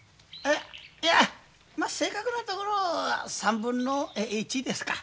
いやまあ正確なところ３分の１ですか。